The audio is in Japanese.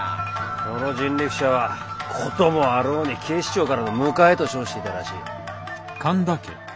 その人力車は事もあろうに警視庁からの迎えと称していたらしい。